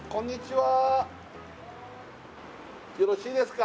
はーいよろしいですか？